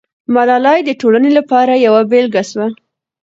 ملالۍ د ټولنې لپاره یوه بېلګه سوه.